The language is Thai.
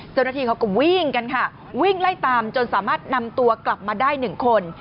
เจ้าหน้าที่เขาก็วิ่งกันค่ะวิ่งไล่ตามจนสามารถนำตัวกลับมาได้หนึ่งคน